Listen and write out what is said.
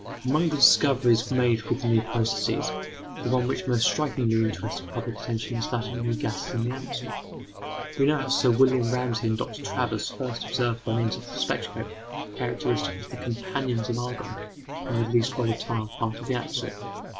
Among the discoveries made with the new processes, the one which most strikingly interested public attention is that of new gases in the atmosphere. We know how Sir William Ramsay and Dr. Travers first observed by means of the spectroscope the characteristics of the companions of argon in the least volatile part of the atmosphere.